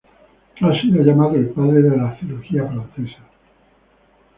Ha sido llamado el "padre de la cirugía francesa".